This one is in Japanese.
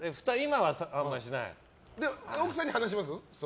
奥さんには話します？